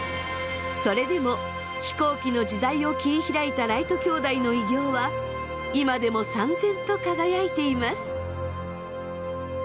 それでも飛行機の時代を切り開いたライト兄弟の偉業は今でもさん然と輝いています。